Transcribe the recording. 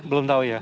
belum tahu ya